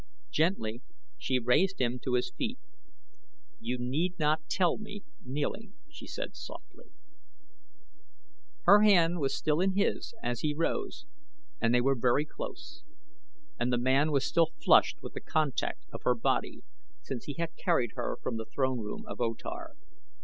Gently she raised him to his feet. "You need not tell me, kneeling," she said, softly. Her hand was still in his as he rose and they were very close, and the man was still flushed with the contact of her body since he had carried her from the throne room of O Tar.